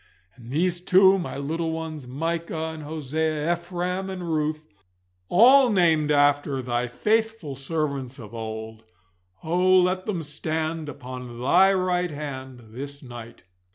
And these too, my little ones, Micah and Hosea, Ephraim and Ruth, all named after Thy faithful servants of old, oh let them stand upon Thy right hand this night!